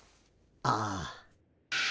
ああ。